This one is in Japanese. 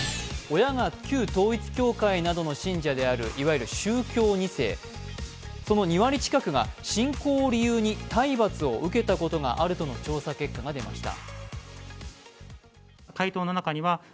親が旧統一教会などの信者であるいわゆる宗教２世、その２割近くが信仰を理由に体罰を受けたことがあるとの調査結果が出ました。